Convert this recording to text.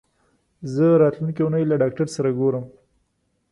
زه راتلونکې اونۍ له ډاکټر سره ګورم.